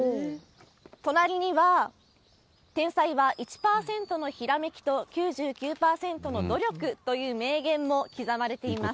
隣には、天才は１％のひらめきと９９％の努力という名言も刻まれています。